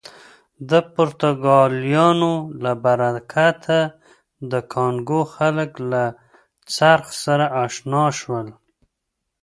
د پرتګالیانو له برکته د کانګو خلک له څرخ سره اشنا شول.